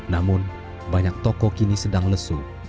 namun banyak toko kini sedang lesu